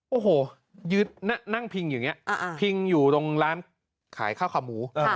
โอ้โหยืดนั่งพิงอย่างนี้พิงอยู่ตรงร้านขายข้าวขาหมู